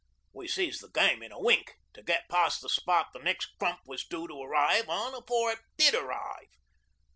We sees the game in a wink to get past the spot the next crump was due to arrive on afore it did arrive.